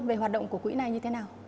về hoạt động của quỹ này như thế nào